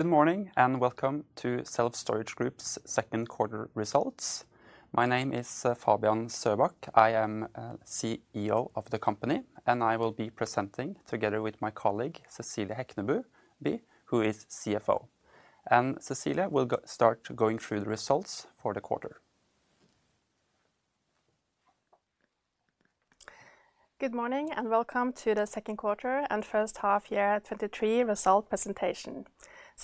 Good morning, and welcome to Self Storage Group's second quarter results. My name is Fabian Søbak. I am CEO of the company, and I will be presenting together with my colleague, Cecilie Hekneby, who is CFO. Cecilie will start going through the results for the quarter. Good morning, welcome to the second quarter and first half year 2023 result presentation.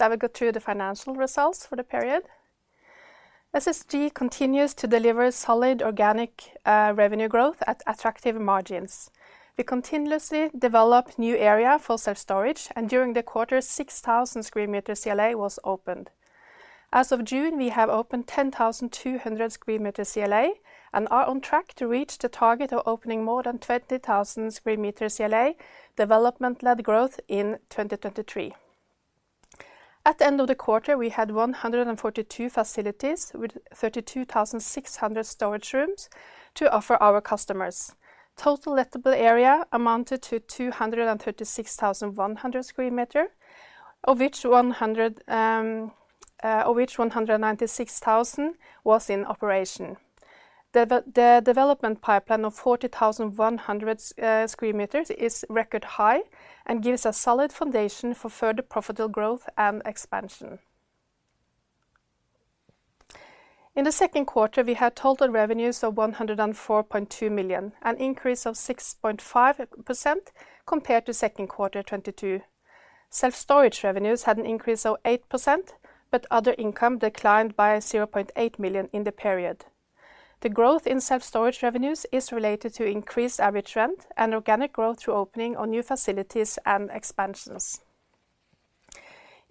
I will go through the financial results for the period. SSG continues to deliver solid organic revenue growth at attractive margins. We continuously develop new area for self-storage, and during the quarter, 6,000 square meters CLA was opened. As of June, we have opened 10,200 square meters CLA, and are on track to reach the target of opening more than 20,000 square meters CLA development-led growth in 2023. At the end of the quarter, we had 142 facilities with 32,600 storage rooms to offer our customers. Total lettable area amounted to 236,100 square meter, of which 100, of which 196,000 was in operation. The development pipeline of 40,100 square meters is record high and gives a solid foundation for further profitable growth and expansion. In the second quarter, we had total revenues of 104.2 million, an increase of 6.5% compared to second quarter 2022. Self-storage revenues had an increase of 8%, but other income declined by 0.8 million in the period. The growth in self-storage revenues is related to increased average rent and organic growth through opening of new facilities and expansions.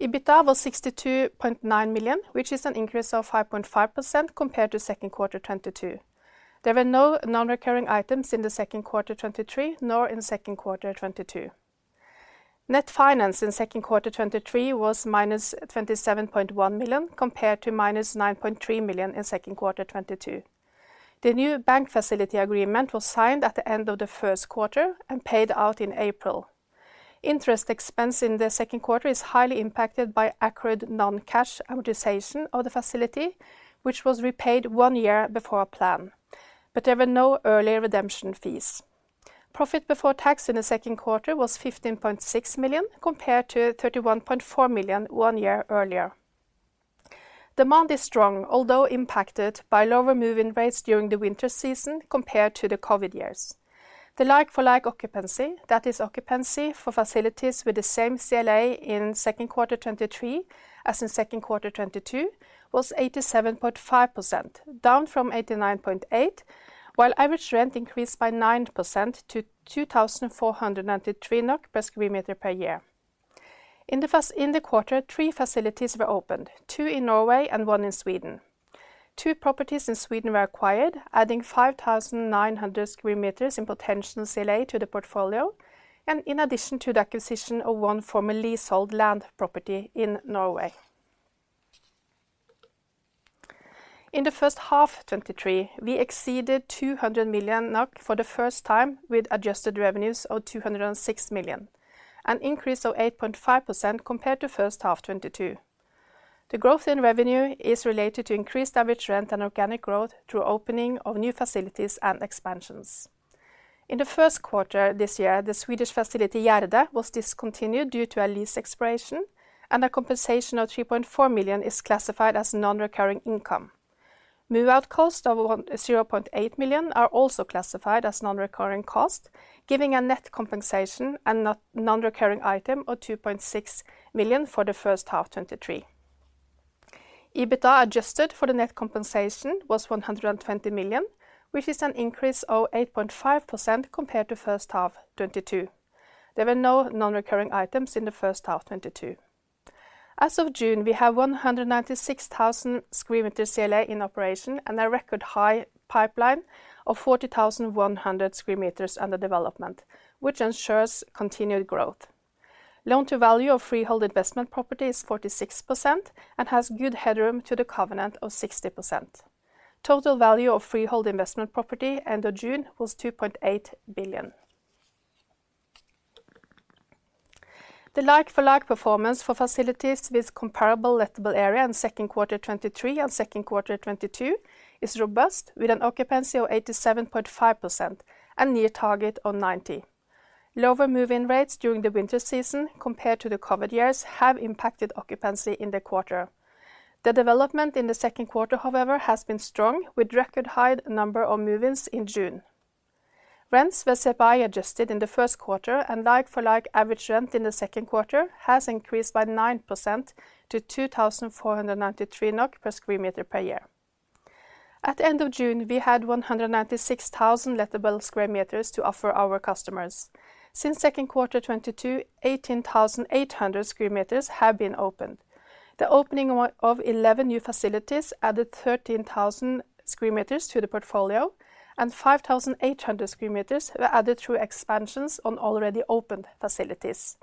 EBITDA was 62.9 million, which is an increase of 5.5% compared to second quarter 2022. There were no non-recurring items in the second quarter 2023, nor in second quarter 2022. Net finance in second quarter 2023 was minus 27.1 million, compared to minus 9.3 million in second quarter 2022. The new bank facility agreement was signed at the end of the first quarter and paid out in April. Interest expense in the second quarter is highly impacted by accurate non-cash amortization of the facility, which was repaid one year before plan, but there were no early redemption fees. Profit before tax in the second quarter was 15.6 million, compared to 31.4 million one year earlier. Demand is strong, although impacted by lower move-in rates during the winter season compared to the COVID years. The like-for-like occupancy, that is, occupancy for facilities with the same CLA in second quarter 2023 as in second quarter 2022, was 87.5%, down from 89.8%, while average rent increased by 9% to 2,403 NOK per square meter per year. In the quarter, three facilities were opened, two in Norway and one in Sweden. Two properties in Sweden were acquired, adding 5,900 square meters in potential CLA to the portfolio, in addition to the acquisition of one formerly sold land property in Norway. In the first half 2023, we exceeded 200 million NOK for the first time with adjusted revenues of 206 million, an increase of 8.5% compared to first half 2022. The growth in revenue is related to increased average rent and organic growth through opening of new facilities and expansions. In the first quarter this year, the Swedish facility, Gärdet, was discontinued due to a lease expiration, and a compensation of 3.4 million is classified as non-recurring income. Move-out costs of 0.8 million are also classified as non-recurring costs, giving a net compensation and non-recurring item of 2.6 million for the first half 2023. EBITDA, adjusted for the net compensation, was 120 million, which is an increase of 8.5% compared to first half 2022. There were no non-recurring items in the first half 2022. As of June, we have 196,000 square meters CLA in operation and a record high pipeline of 40,100 square meters under development, which ensures continued growth. Loan to value of freehold investment property is 46% and has good headroom to the covenant of 60%. Total value of freehold investment property end of June was 2.8 billion. The like-for-like performance for facilities with comparable lettable area in second quarter 2023 and second quarter 2022 is robust, with an occupancy of 87.5% and near target of 90. Lower move-in rates during the winter season compared to the COVID years have impacted occupancy in the quarter. The development in the second quarter, however, has been strong, with record high number of move-ins in June. Rents were CPI-adjusted in the first quarter. Like-for-like average rent in the second quarter has increased by 9% to 2,493 NOK per square meter per year. At the end of June, we had 196,000 lettable square meters to offer our customers. Since second quarter 2022, 18,800 square meters have been opened. The opening of 11 new facilities added 13,000 square meters to the portfolio, and 5,800 square meters were added through expansions on already opened facilities.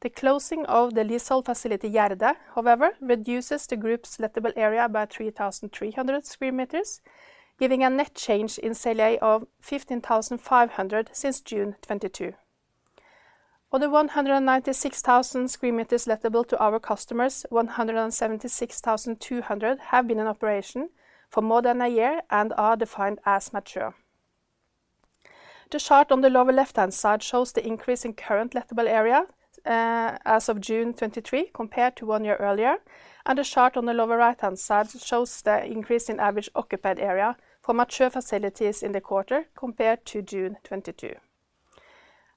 The closing of the leasehold facility, Gärdet, however, reduces the group's lettable area by 3,300 square meters, giving a net change in sale of 15,500 since June 2022. Of the 196,000 square meters lettable to our customers, 176,200 have been in operation for more than one year and are defined as mature. The chart on the lower left-hand side shows the increase in current lettable area, as of June 2023, compared to one year earlier, and the chart on the lower right-hand side shows the increase in average occupied area for mature facilities in the quarter compared to June 2022.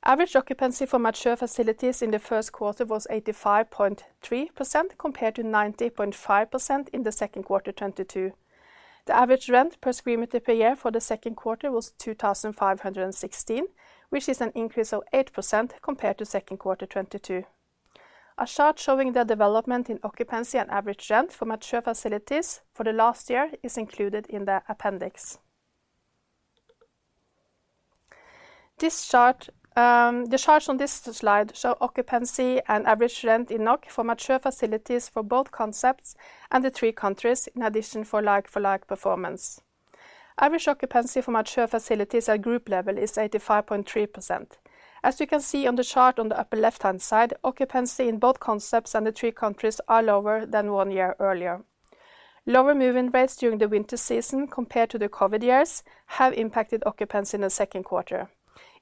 Average occupancy for mature facilities in the first quarter was 85.3%, compared to 90.5% in the second quarter, 2022. The average rent per square meter per year for the second quarter was 2,516, which is an increase of 8% compared to second quarter, 2022. A chart showing the development in occupancy and average rent for mature facilities for the last year is included in the appendix. This chart, the charts on this slide show occupancy and average rent in NOK for mature facilities for both concepts and the three countries, in addition for like-for-like performance. Average occupancy for mature facilities at group level is 85.3%. As you can see on the chart on the upper left-hand side, occupancy in both concepts and the three countries are lower than one year earlier. Lower move-in rates during the winter season compared to the COVID years have impacted occupancy in the second quarter.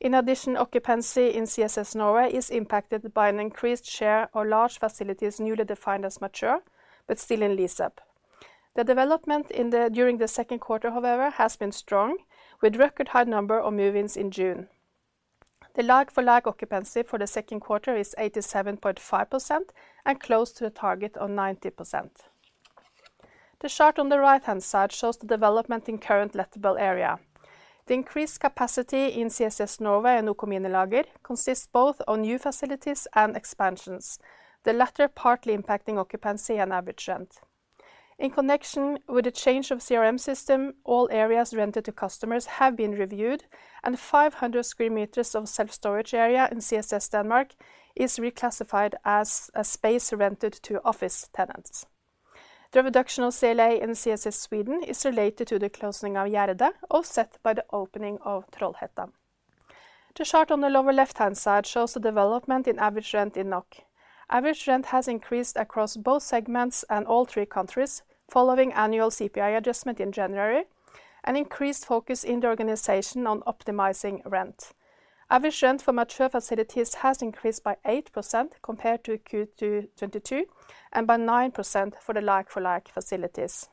In addition, occupancy in CSS Norway is impacted by an increased share of large facilities newly defined as mature, but still in lease-up. The development during the second quarter, however, has been strong, with record-high number of move-ins in June. The like-for-like occupancy for the second quarter is 87.5% and close to the target of 90%. The chart on the right-hand side shows the development in current lettable area. The increased capacity in CSS Norway and OK Minilager consists both of new facilities and expansions, the latter partly impacting occupancy and average rent. In connection with the change of CRM system, all areas rented to customers have been reviewed, and 500 square meters of self-storage area in CSS Denmark is reclassified as a space rented to office tenants. The reduction of CLA in CSS Sweden is related to the closing of Gärdet, offset by the opening of Trollhättan. The chart on the lower left-hand side shows the development in average rent in NOK. Average rent has increased across both segments and all three countries, following annual CPI adjustment in January and increased focus in the organization on optimizing rent. Average rent for mature facilities has increased by 8% compared to Q2 2022, and by 9% for the like-for-like facilities.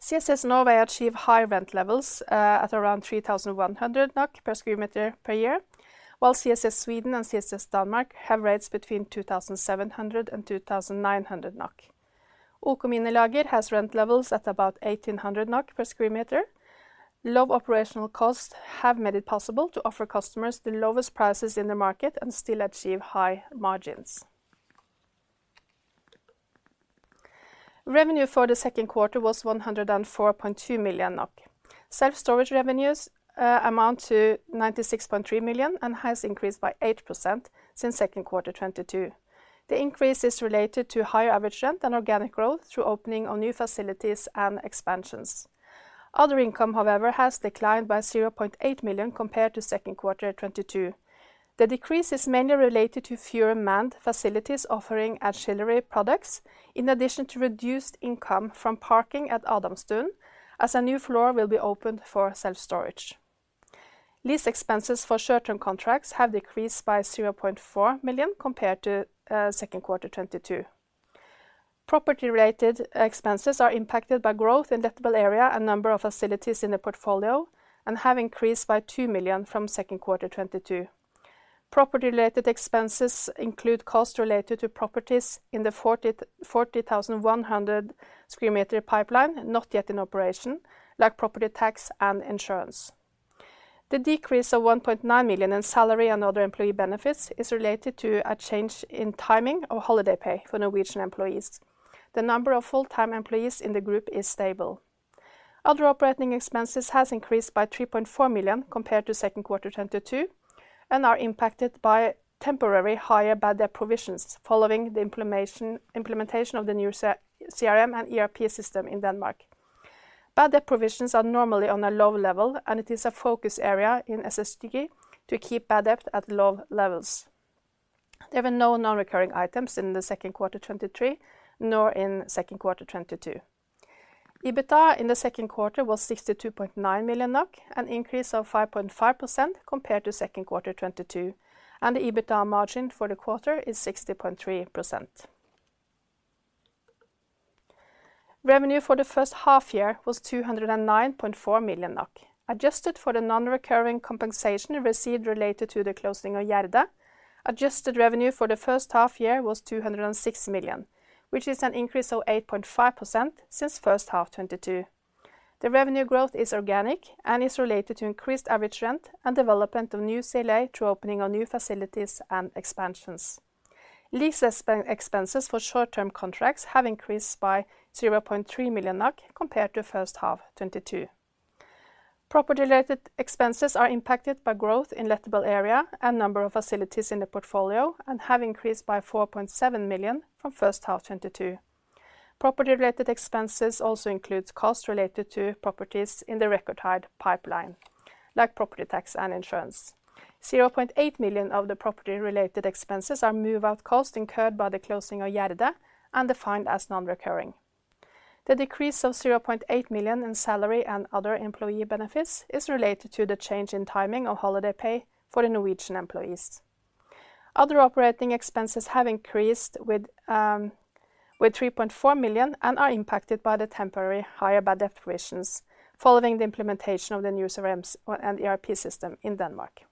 CSS Norway achieve high rent levels at around 3,100 NOK per square meter per year, while CSS Sweden and CSS Denmark have rates between 2,700-2,900 NOK. OK Minilager has rent levels at about 1,800 NOK per square meter. Low operational costs have made it possible to offer customers the lowest prices in the market and still achieve high margins. Revenue for the second quarter was 104.2 million NOK. Self-storage revenues amount to 96.3 million and has increased by 8% since second quarter 2022. The increase is related to higher average rent and organic growth through opening of new facilities and expansions. Other income, however, has declined by 0.8 million compared to second quarter 2022. The decrease is mainly related to fewer manned facilities offering ancillary products, in addition to reduced income from parking at Adamstuen, as a new floor will be opened for self-storage. Lease expenses for short-term contracts have decreased by 0.4 million compared to second quarter 2022. Property-related expenses are impacted by growth in lettable area and number of facilities in the portfolio and have increased by 2 million from second quarter 2022. Property-related expenses include costs related to properties in the 40,100 square meter pipeline, not yet in operation, like property tax and insurance. The decrease of 1.9 million in salary and other employee benefits is related to a change in timing of holiday pay for Norwegian employees. The number of full-time employees in the group is stable. Other operating expenses has increased by 3.4 million compared to second quarter, 2022, and are impacted by temporary higher bad debt provisions following the implementation of the new CRM and ERP system in Denmark. Bad debt provisions are normally on a low level, and it is a focus area in SSG to keep bad debt at low levels. There were no non-recurring items in the second quarter, 2023, nor in second quarter, 2022. EBITDA in the second quarter was 62.9 million NOK, an increase of 5.5% compared to second quarter 2022. The EBITDA margin for the quarter is 60.3%. Revenue for the first half year was 209.4 million. Adjusted for the non-recurring compensation received related to the closing of Gärdet, adjusted revenue for the first half year was 206 million, which is an increase of 8.5% since first half 2022. The revenue growth is organic and is related to increased average rent and development of new CLA through opening of new facilities and expansions. Lease expenses for short-term contracts have increased by 0.3 million compared to first half 2022. Property-related expenses are impacted by growth in lettable area and number of facilities in the portfolio and have increased by 4.7 million from first half 2022. Property-related expenses also includes costs related to properties in the record high pipeline, like property tax and insurance. 0.8 million of the property-related expenses are move-out costs incurred by the closing of Gärdet and defined as non-recurring. The decrease of 0.8 million in salary and other employee benefits is related to the change in timing of holiday pay for the Norwegian employees. Other operating expenses have increased with 3.4 million and are impacted by the temporary higher bad debt provisions, following the implementation of the new CRM and ERP system in Denmark.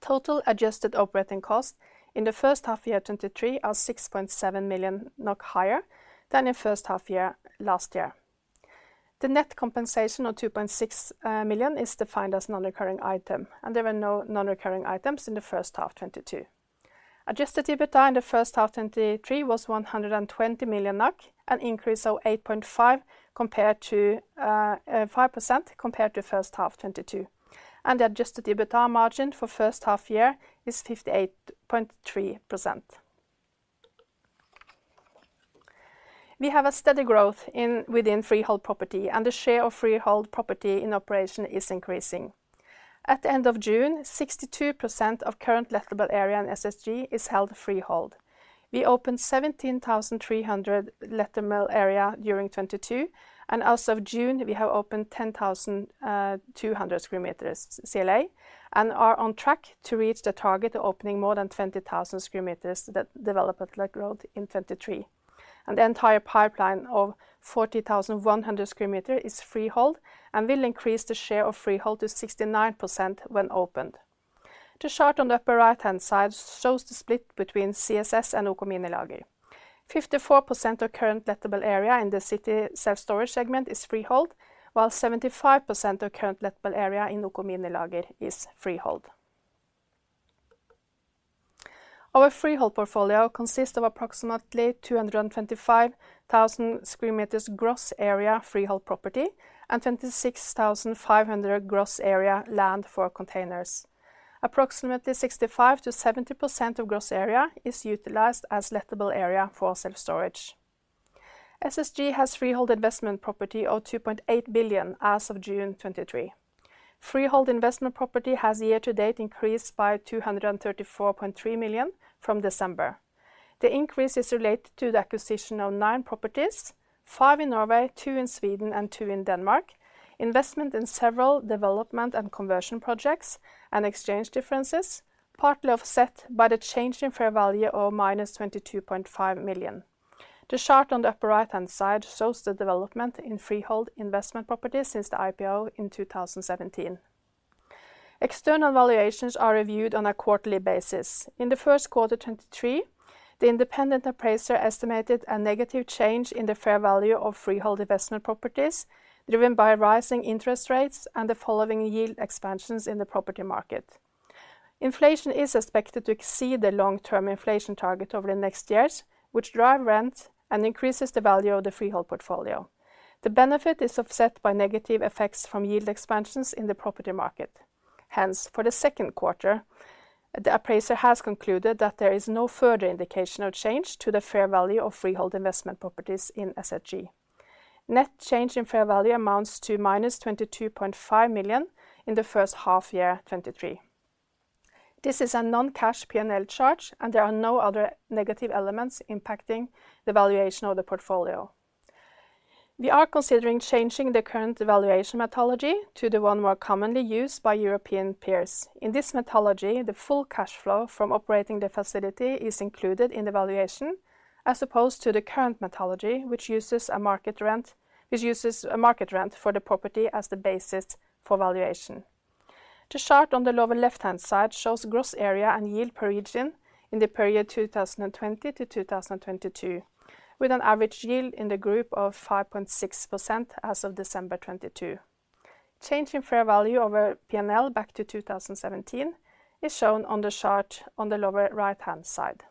Total adjusted operating costs in the first half year 2023 are 6.7 million NOK higher than in first half year last year. The net compensation of 2.6 million is defined as non-recurring item. There were no non-recurring items in the first half 2022. Adjusted EBITDA in the first half 2023 was 120 million NOK, an increase of 8.5 compared to 5% compared to first half 2022. The Adjusted EBITDA margin for first half year is 58.3%. We have a steady growth in, within freehold property. The share of freehold property in operation is increasing. At the end of June, 62% of current lettable area in SSG is held freehold. We opened 17,300 lettable area during 2022. As of June, we have opened 10,200 square meters CLA, and are on track to reach the target of opening more than 20,000 square meters that development-led growth in 2023. The entire pipeline of 40,100 square meter is freehold, and will increase the share of freehold to 69% when opened. The chart on the upper right-hand side shows the split between CSS and OK Minilager. 54% of current lettable area in the City Self-Storage segment is freehold, while 75% of current lettable area in OK Minilager is freehold. Our freehold portfolio consists of approximately 225,000 square meters gross area, freehold property, and 26,500 gross area land for containers. Approximately 65%-70% of gross area is utilized as lettable area for self-storage. SSG has freehold investment property of 2.8 billion as of June 2023. Freehold investment property has year to date increased by 234.3 million from December. The increase is related to the acquisition of nine properties, five in Norway, two in Sweden, and two in Denmark, investment in several development and conversion projects, and exchange differences, partly offset by the change in fair value of minus 22.5 million. The chart on the upper right-hand side shows the development in freehold investment properties since the IPO in 2017. External valuations are reviewed on a quarterly basis. In the first quarter 2023, the independent appraiser estimated a negative change in the fair value of freehold investment properties, driven by rising interest rates and the following yield expansions in the property market. Inflation is expected to exceed the long-term inflation target over the next years, which drive rent and increases the value of the freehold portfolio. The benefit is offset by negative effects from yield expansions in the property market. Hence, for the second quarter, the appraiser has concluded that there is no further indication of change to the fair value of freehold investment properties in SSG. Net change in fair value amounts to -22.5 million in the first half year 2023. This is a non-cash P&L charge, and there are no other negative elements impacting the valuation of the portfolio. We are considering changing the current valuation methodology to the one more commonly used by European peers. In this methodology, the full cash flow from operating the facility is included in the valuation, as opposed to the current methodology, which uses a market rent, which uses a market rent for the property as the basis for valuation. The chart on the lower left-hand side shows gross area and yield per region in the period 2020 to 2022, with an average yield in the group of 5.6% as of December 2022. Change in fair value over P&L back to 2017 is shown on the chart on the lower right-hand side.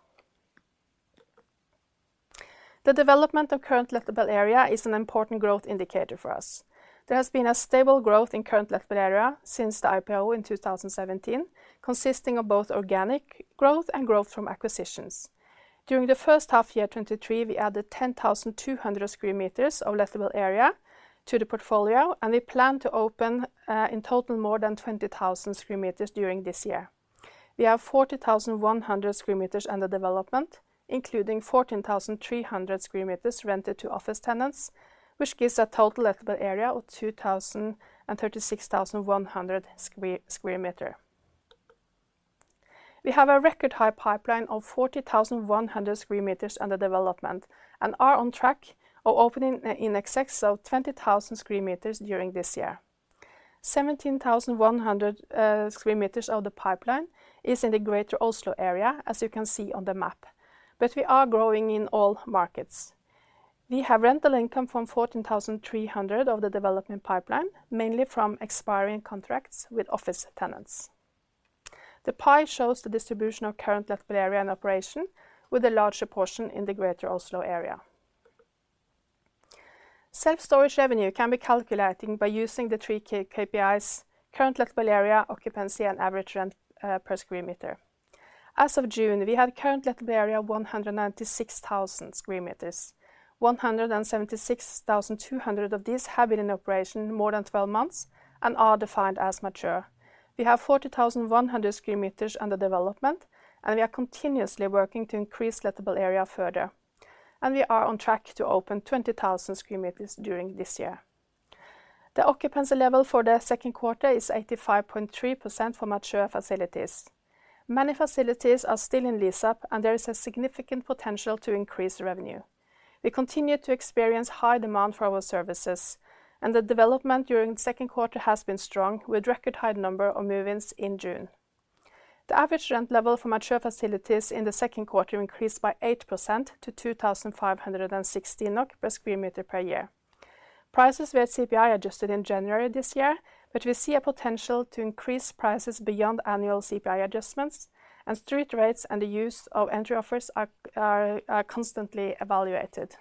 The development of current lettable area is an important growth indicator for us. There has been a stable growth in current lettable area since the IPO in 2017, consisting of both organic growth and growth from acquisitions. During the first half year, 2023, we added 10,200 square meters of lettable area to the portfolio, and we plan to open in total more than 20,000 square meters during this year. We have 40,100 square meters under development, including 14,300 square meters rented to office tenants, which gives a total lettable area of 236,100 square meters. We have a record high pipeline of 40,100 square meters under development and are on track of opening in excess of 20,000 square meters during this year. 17,100 square meters of the pipeline is in the Greater Oslo area, as you can see on the map. We are growing in all markets. We have rental income from 14,300 of the development pipeline, mainly from expiring contracts with office tenants. The pie shows the distribution of current lettable area in operation with a larger portion in the Greater Oslo area. Self-storage revenue can be calculating by using the three KPIs, current lettable area, occupancy, and average rent per square meter. As of June, we had current lettable area 196,000 square meters. 176,200 of these have been in operation more than 12 months and are defined as mature. We have 40,100 square meters under development, and we are continuously working to increase lettable area further, and we are on track to open 20,000 square meters during this year. The occupancy level for the second quarter is 85.3% for mature facilities. Many facilities are still in lease up, and there is a significant potential to increase revenue. We continue to experience high demand for our services, and the development during the second quarter has been strong, with record high number of move-ins in June. The average rent level for mature facilities in the second quarter increased by 8% to 2,560 NOK per square meter per year. Prices were CPI adjusted in January this year, but we see a potential to increase prices beyond annual CPI adjustments, and street rates and the use of entry offers are constantly evaluated.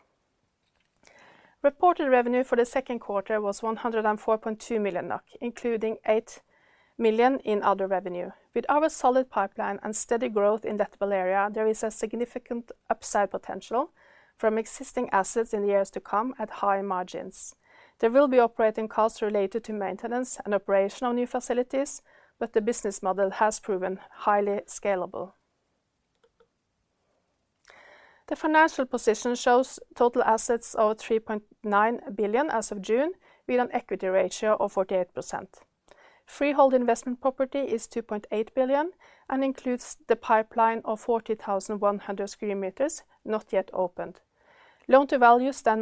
Reported revenue for the second quarter was 104.2 million NOK, including 8 million in other revenue. With our solid pipeline and steady growth in lettable area, there is a significant upside potential from existing assets in the years to come at high margins. There will be operating costs related to maintenance and operation of new facilities, but the business model has proven highly scalable. The financial position shows total assets of 3.9 billion as of June, with an equity ratio of 48%. Freehold investment property is 2.8 billion and includes the pipeline of 40,100 square meters, not yet opened. Loan-to-value stand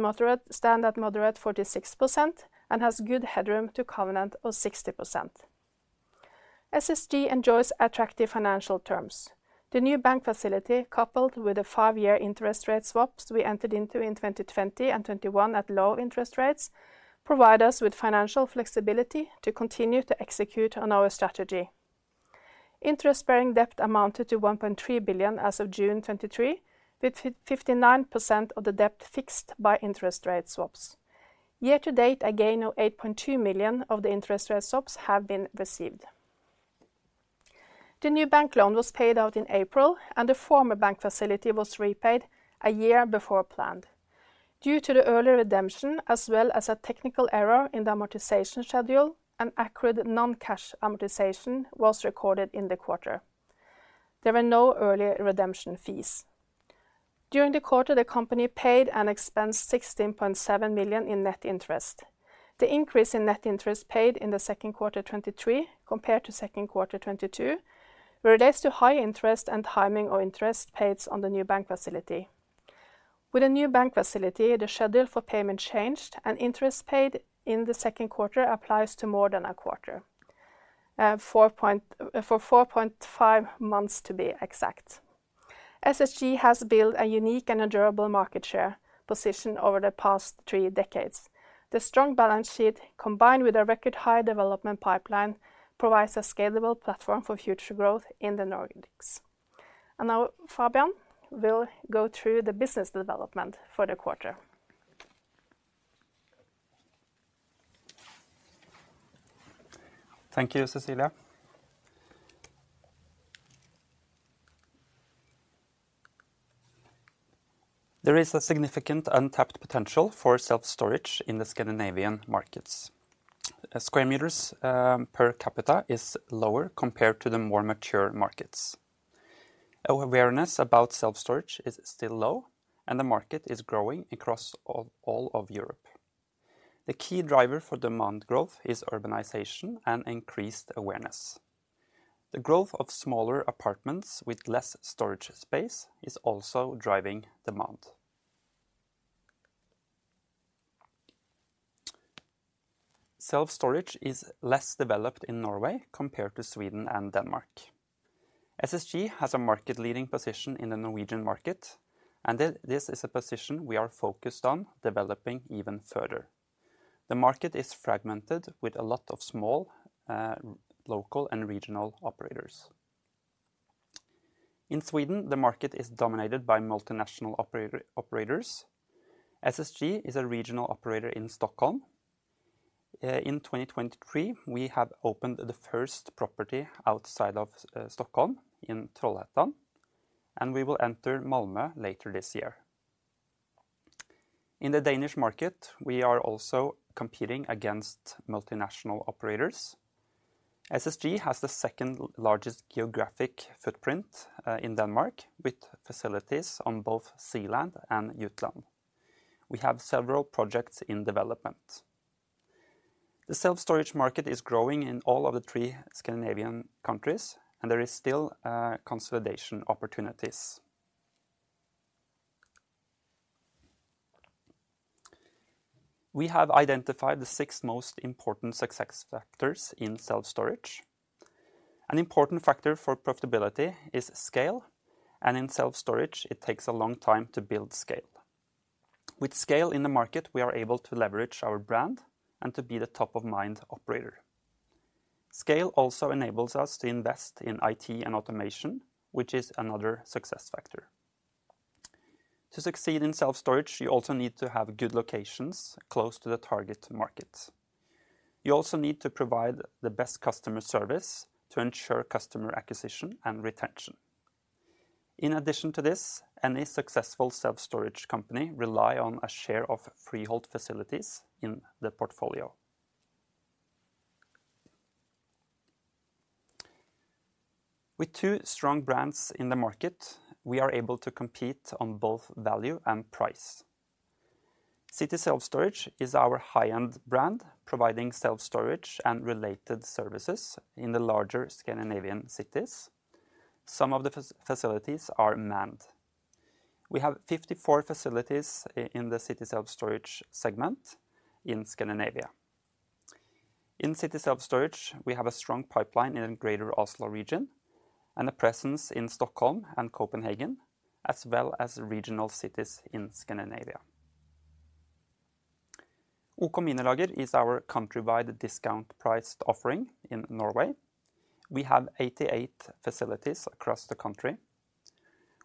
at moderate 46% and has good headroom to covenant of 60%. SSG enjoys attractive financial terms. The new bank facility, coupled with a five-year interest rate swaps we entered into in 2020 and 2021 at low interest rates, provide us with financial flexibility to continue to execute on our strategy. Interest-bearing debt amounted to 1.3 billion as of June 2023, with 59% of the debt fixed by interest rate swaps. Year to date, a gain of 8.2 million of the interest rate swaps have been received. The new bank loan was paid out in April, and the former bank facility was repaid a year before planned. Due to the early redemption, as well as a technical error in the amortization schedule, an accurate non-cash amortization was recorded in the quarter. There were no early redemption fees. During the quarter, the company paid and expensed 16.7 million in net interest. The increase in net interest paid in the second quarter 2023 compared to second quarter 2022, relates to high interest and timing of interest paid on the new bank facility. With a new bank facility, the schedule for payment changed, and interest paid in the second quarter applies to more than a quarter, 4.5 months to be exact. SSG has built a unique and durable market share position over the past three decades. The strong balance sheet, combined with a record high development pipeline, provides a scalable platform for future growth in the Nordics. Now Fabian will go through the business development for the quarter. Thank you, Cecilie. There is a significant untapped potential for self-storage in the Scandinavian markets. Square meters per capita is lower compared to the more mature markets. Awareness about self-storage is still low, and the market is growing across all, all of Europe. The key driver for demand growth is urbanization and increased awareness. The growth of smaller apartments with less storage space is also driving demand. Self-storage is less developed in Norway compared to Sweden and Denmark. SSG has a market-leading position in the Norwegian market, and this is a position we are focused on developing even further. The market is fragmented with a lot of small, local and regional operators. In Sweden, the market is dominated by multinational operator, operators. SSG is a regional operator in Stockholm. In 2023, we have opened the first property outside of Stockholm in Trollhättan, and we will enter Malmö later this year. In the Danish market, we are also competing against multinational operators. SSG has the second largest geographic footprint in Denmark, with facilities on both Zealand and Jutland. We have several projects in development. The self-storage market is growing in all of the three Scandinavian countries, and there is still consolidation opportunities. We have identified the six most important success factors in self-storage. An important factor for profitability is scale, and in self-storage, it takes a long time to build scale. With scale in the market, we are able to leverage our brand and to be the top-of-mind operator. Scale also enables us to invest in IT and automation, which is another success factor. To succeed in self-storage, you also need to have good locations close to the target market. You also need to provide the best customer service to ensure customer acquisition and retention. In addition to this, any successful self-storage company rely on a share of freehold facilities in the portfolio. With two strong brands in the market, we are able to compete on both value and price. City Self-Storage is our high-end brand, providing self-storage and related services in the larger Scandinavia cities. Some of the facilities are manned. We have 54 facilities in the City Self-Storage segment in Scandinavia. In City Self-Storage, we have a strong pipeline in the Greater Oslo region, and a presence in Stockholm and Copenhagen, as well as regional cities in Scandinavia. OK Minilager is our countrywide discount priced offering in Norway. We have 88 facilities across the country.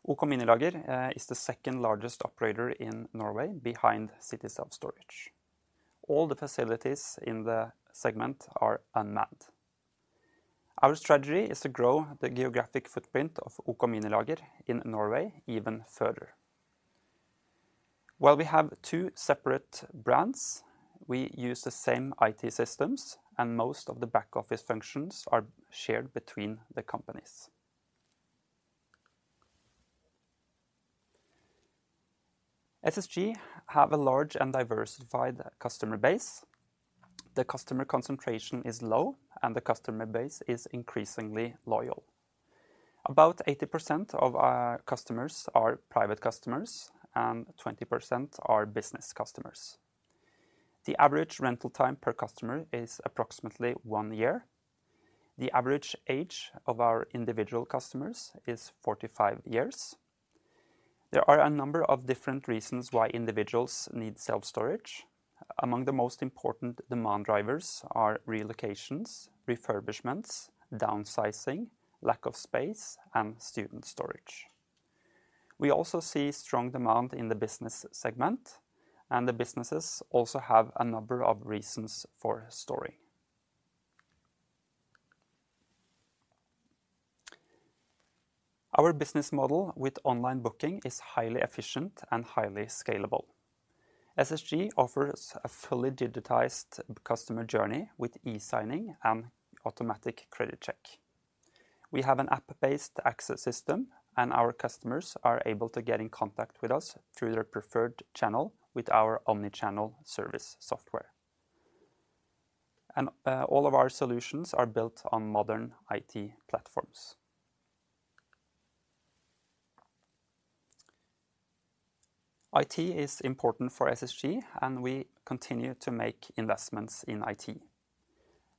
OK Minilager is the second largest operator in Norway behind City Self-Storage. All the facilities in the segment are unmanned. Our strategy is to grow the geographic footprint of OK Minilager in Norway even further. While we have two separate brands, we use the same IT systems, and most of the back office functions are shared between the companies. SSG have a large and diversified customer base. The customer concentration is low, and the customer base is increasingly loyal. About 80% of our customers are private customers, and 20% are business customers. The average rental time per customer is approximately one year. The average age of our individual customers is 45 years. There are a number of different reasons why individuals need self-storage. Among the most important demand drivers are relocations, refurbishments, downsizing, lack of space, and student storage. We also see strong demand in the business segment. The businesses also have a number of reasons for storing. Our business model with online booking is highly efficient and highly scalable. SSG offers a fully digitized customer journey with e-signing and automatic credit check. We have an app-based access system, and our customers are able to get in contact with us through their preferred channel with our omnichannel service software. All of our solutions are built on modern IT platforms. IT is important for SSG, and we continue to make investments in IT.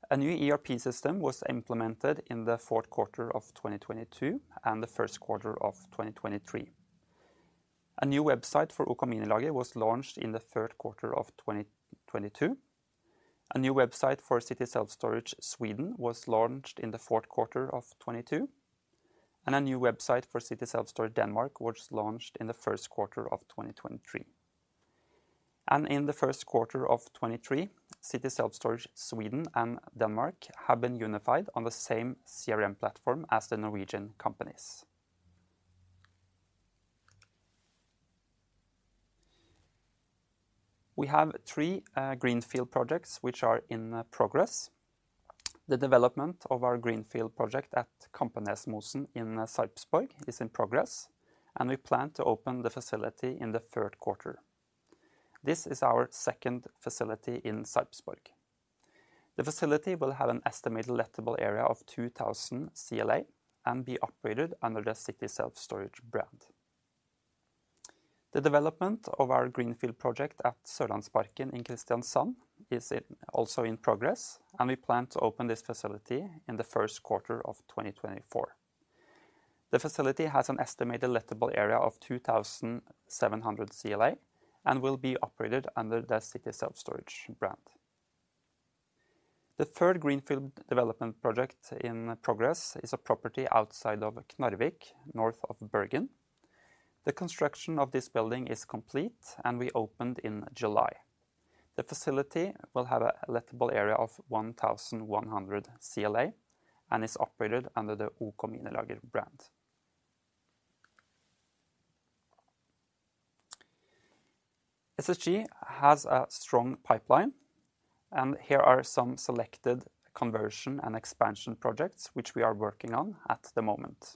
A new ERP system was implemented in the fourth quarter of 2022, and the first quarter of 2023. A new website for OK Minilager was launched in the third quarter of 2022. A new website for City Self-Storage Sverige was launched in the fourth quarter of 2022, a new website for City Self-Storage Danmark was launched in the first quarter of 2023. In the first quarter of 2023, City Self-Storage Sverige and Denmark have been unified on the same CRM platform as the Norwegian companies. We have three greenfield projects which are in progress. The development of our greenfield project at Kampenesmosen in Sarpsborg is in progress, and we plan to open the facility in the third quarter. This is our second facility in Sarpsborg. The facility will have an estimated lettable area of 2,000 CLA and be operated under the City Self-Storage brand. The development of our greenfield project at Sørlandsparken in Kristiansand is also in progress, and we plan to open this facility in the first quarter of 2024. The facility has an estimated lettable area of 2,700 CLA and will be operated under the City Self-Storage brand. The third greenfield development project in progress is a property outside of Knarvik, north of Bergen. The construction of this building is complete, and we opened in July. The facility will have a lettable area of 1,100 CLA and is operated under the OK Minilager brand. SSG has a strong pipeline, and here are some selected conversion and expansion projects which we are working on at the moment.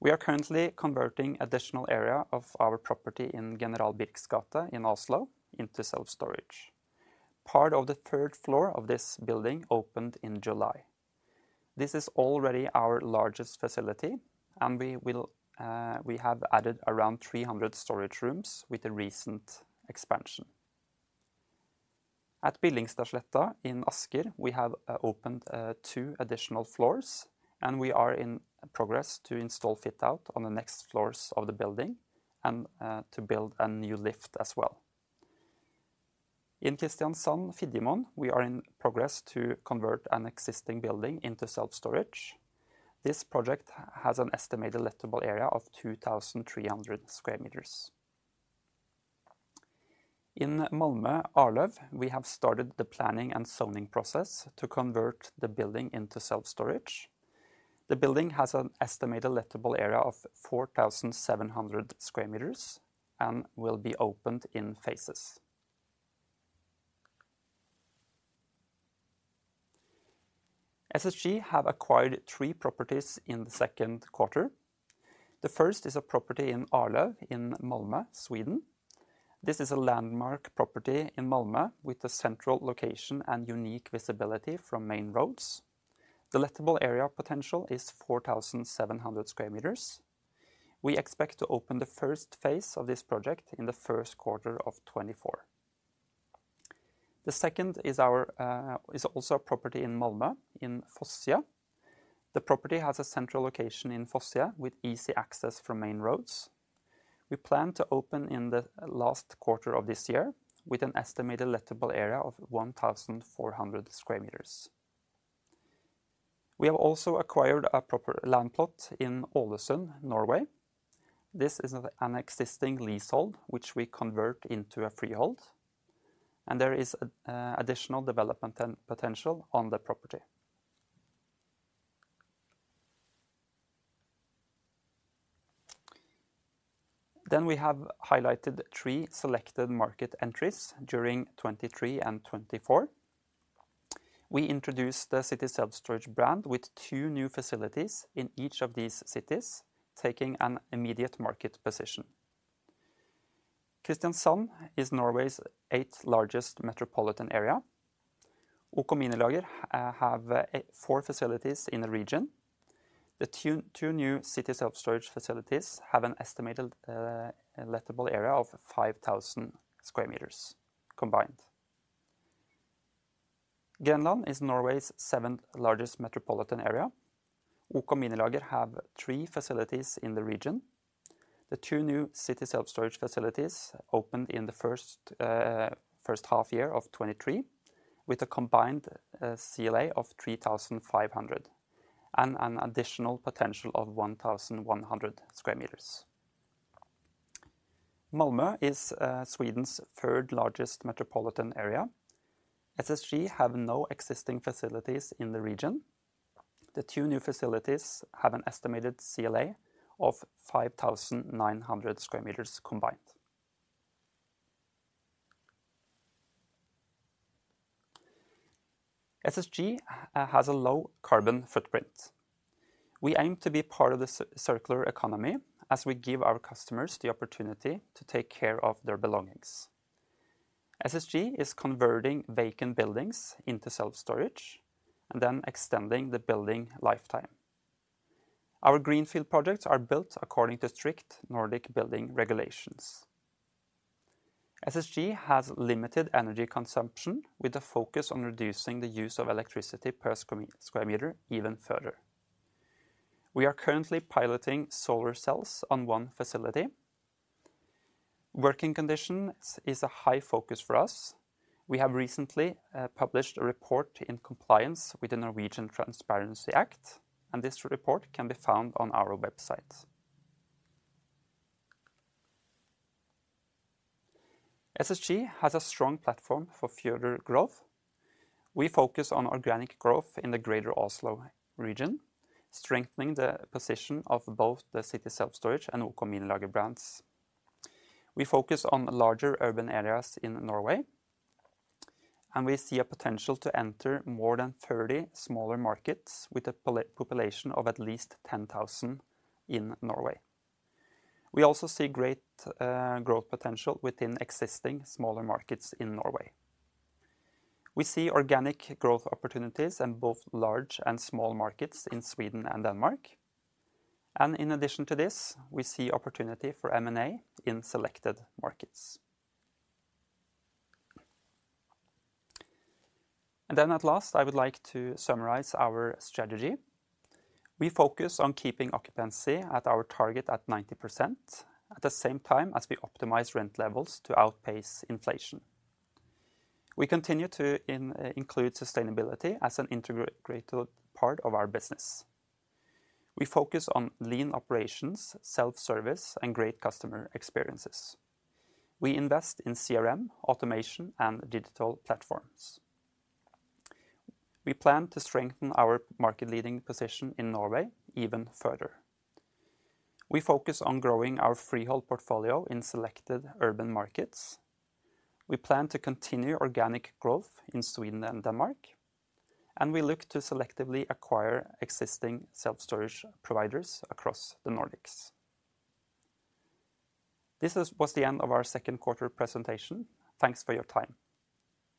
We are currently converting additional area of our property in General Birchs gate in Oslo into self-storage. Part of the third floor of this building opened in July. This is already our largest facility. We have added around 300 storage rooms with a recent expansion. At Billingstadsletta in Asker, we have opened two additional floors, and we are in progress to install fit-out on the next floors of the building and to build a new lift as well. In Kristiansand, Fidjemoen, we are in progress to convert an existing building into self-storage. This project has an estimated lettable area of 2,300 square meters. In Malmö, Arlöv, we have started the planning and zoning process to convert the building into self-storage. The building has an estimated lettable area of 4,700 square meters and will be opened in phases. SSG have acquired three properties in the second quarter. The first is a property in Arlöv, in Malmö, Sweden. This is a landmark property in Malmö, with a central location and unique visibility from main roads. The lettable area potential is 4,700 square meters. We expect to open the first phase of this project in the first quarter of 2024. The second is our is also a property in Malmö, in Fosie. The property has a central location in Fosie, with easy access from main roads. We plan to open in the last quarter of this year, with an estimated lettable area of 1,400 square meters. We have also acquired a proper land plot in Ålesund, Norway. This is an existing leasehold, which we convert into a freehold, and there is additional development and potential on the property. We have highlighted three selected market entries during 2023 and 2024. We introduced the City Self-Storage brand with two new facilities in each of these cities, taking an immediate market position. Kristiansand is Norway's eighth largest metropolitan area. OK Minilager have four facilities in the region. The two new City Self-Storage facilities have an estimated lettable area of 5,000 square meters combined. Grenland is Norway's seventh largest metropolitan area. OK Minilager have three facilities in the region. The two new City Self-Storage facilities opened in the first half year of 2023, with a combined CLA of 3,500 and an additional potential of 1,100 square meters. Malmö is Sweden's third largest metropolitan area. SSG have no existing facilities in the region. The two new facilities have an estimated CLA of 5,900 square meters combined. SSG has a low carbon footprint. We aim to be part of the circular economy, as we give our customers the opportunity to take care of their belongings. SSG is converting vacant buildings into self-storage and then extending the building lifetime. Our greenfield projects are built according to strict Nordic building regulations. SSG has limited energy consumption, with a focus on reducing the use of electricity per square meter even further. We are currently piloting solar cells on one facility. Working conditions is a high focus for us. We have recently published a report in compliance with the Norwegian Transparency Act. This report can be found on our website. SSG has a strong platform for further growth. We focus on organic growth in the Greater Oslo region, strengthening the position of both the City Self-Storage and OK Minilager brands. We focus on larger urban areas in Norway. We see a potential to enter more than 30 smaller markets with a population of at least 10,000 in Norway. We also see great growth potential within existing smaller markets in Norway. We see organic growth opportunities in both large and small markets in Sweden and Denmark. In addition to this, we see opportunity for M&A in selected markets. At last, I would like to summarize our strategy. We focus on keeping occupancy at our target at 90%, at the same time as we optimize rent levels to outpace inflation. We continue to include sustainability as an integral part of our business. We focus on lean operations, self-service, and great customer experiences. We invest in CRM, automation, and digital platforms. We plan to strengthen our market-leading position in Norway even further. We focus on growing our freehold portfolio in selected urban markets. We plan to continue organic growth in Sweden and Denmark, and we look to selectively acquire existing self-storage providers across the Nordics. This was the end of our second quarter presentation. Thanks for your time.